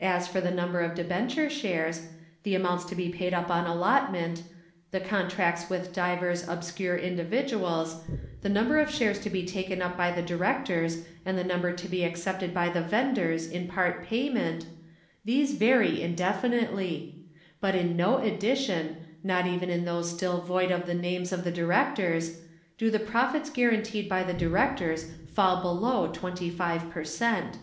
As for the number of debenture shares, the amounts to be paid up on allotment, the contracts with divers obscure individuals, the number of shares to be taken up by the directors and the number to be accepted by the vendors in part payment, these vary indefinitely; but in no edition, not even in those still void of the names of the directors, do the profits guaranteed by the directors fall below twenty five per cent.